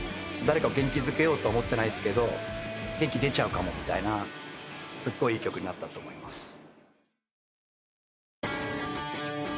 誰かを元気づけようとは思ってないっすけど元気出ちゃうかもみたいなすごいいい曲になったと思います。